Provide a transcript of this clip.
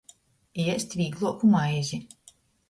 Iest vīgluoku maizi.